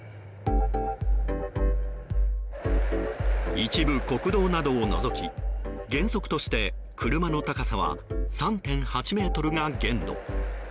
一部国道などを除き原則として、車の高さは３．８ｍが限度。